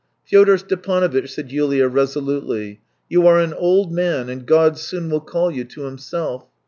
" Fyodor Stepanovitch," said Yulia resolutely, " you are an old man, and God soon will call you to Himself.